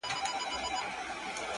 تالنده برېښنا يې خــوښـــــه ســوېده ـ